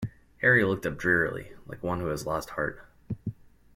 Harry looked up drearily like one who has lost heart.